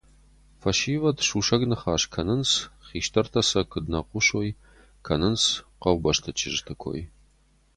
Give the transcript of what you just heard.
Фӕсивӕд сусӕг ныхас кӕнынц, хистӕртӕ сӕ куыд нӕ хъусой, кӕнынц хъӕубӕсты чызджыты кой.